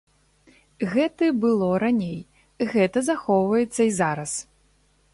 Гэты было раней, гэта захоўваецца і зараз.